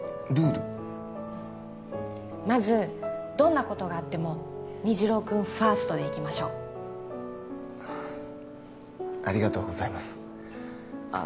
うんまずどんなことがあっても虹朗君ファーストでいきましょうありがとうございますああ